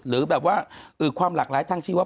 หรือแบบความหลากหลายทางชีวภาพ